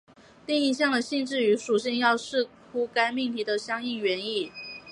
定义项的性质与属性则要视乎该命题的相应原意。